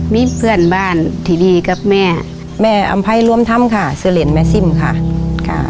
แม่บ่ายใหม่การสมบัติในที่ไหนนะครับ